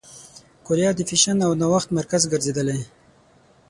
کوریا د فېشن او نوښت مرکز ګرځېدلې.